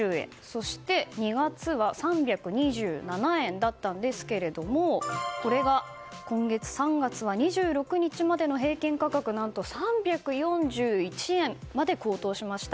そして２月は３２７円だったんですがこれが今月３月は２６日までの平均価格が何と３４１円まで高騰しました。